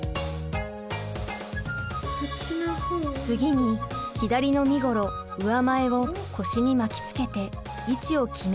次に左の身ごろ上前を腰に巻きつけて位置を決めます。